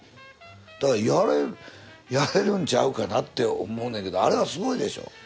だからやれるんちゃうかなって思うねんけどあれはすごいでしょ？